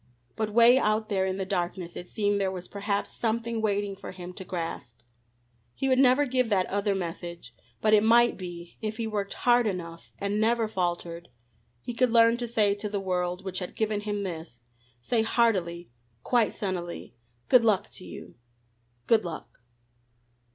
But 'way out there in the darkness it seemed there was perhaps something waiting for him to grasp. He would never give that other message, but it might be, if he worked hard enough, and never faltered, he could learn to say to the world which had given him this, say heartily, quite sunnily: "Good luck to you. Good luck."